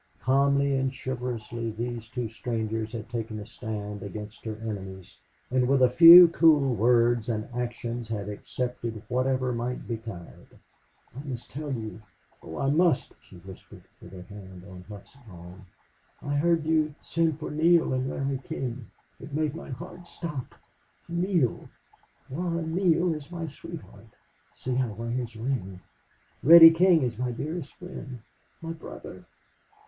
Calmly and chivalrously these two strangers had taken a stand against her enemies and with a few cool words and actions had accepted whatever might betide. "I must tell you oh, I must!" she whispered, with her hand on Hough's arm. "I heard you send for Neale and Larry King... It made my heart stop!... Neale Warren Neale is my sweetheart. See, I wear his ring!... Reddy King is my dearest friend my brother!..."